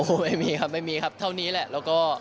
โอ้โฮไม่มีครับไม่มีครับเท่านี้แหละ